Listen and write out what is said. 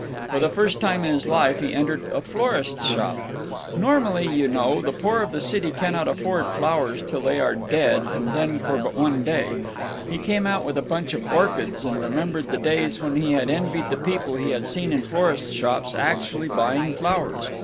For the first time in his life he entered a florist's shop…. Normally, you know, the poor of the city cannot afford flowers till they are dead, and then for but one day…. He came out with a bunch of orchids, and remembered the days when he had envied the people he had seen in florists' shops actually buying flowers.